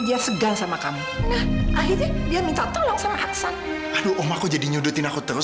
dia segan sama kamu nah akhirnya dia minta tolong sama hasan aduh om aku jadi nyudutin aku terus